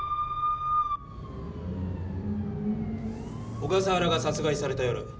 小笠原が殺害された夜